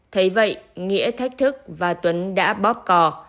thấy vậy nghĩa thách thức và tuấn đã bóp cò